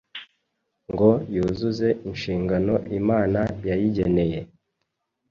ngo yuzuze inshingano Imana yayigeneye